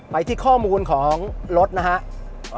ไปที่ข้อมูลของรถนะครับ